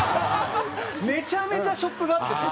めちゃめちゃショックがってて。